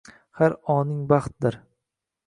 Har oning baxtdir.